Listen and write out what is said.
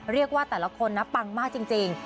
เรียกว่าแต่ละคนนะปังมากจริง